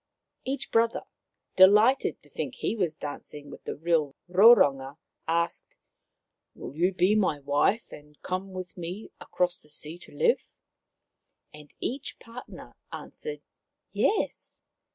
'' Each brother, delighted to think he was dancing with the real Roronga, asked :" Will you be my wife and come with me across the sea to live ?" And each partner answered, " Yes."